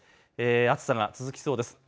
暑さが続きそうです。